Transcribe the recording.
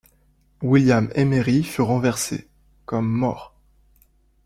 William Emery fut renversé, comme mort.